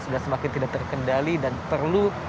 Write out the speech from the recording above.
sudah semakin tidak terkendali dan perlu